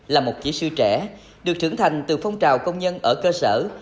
là một kỹ sư trẻ được trưởng thành từ phong trào công nhân ở cơ sở